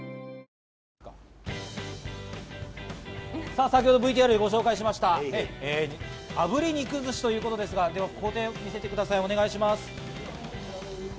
さぁ先ほどＶＴＲでご紹介しました、炙り肉寿司ということですが、工程を見せてください、お願いします。